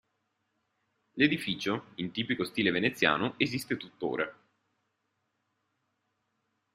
L'edificio, in tipico stile veneziano, esiste tuttora.